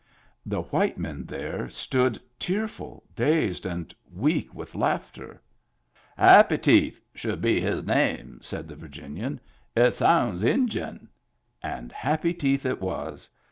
The white men there stood tearful, dazed, and weak with laughter. "* Happy Teeth ' should be his name," said the Virginian. " It sounds Injun." And Happy Teeth it was.